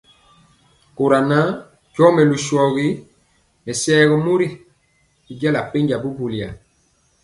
Kora nan ndɔɔ melu shorgi mesayeg mori i jala penja bubuli ya.